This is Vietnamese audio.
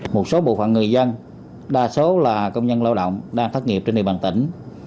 một số bộ phận người dân đa số là công nhân lao động đang thất nghiệp trên địa bàn tỉnh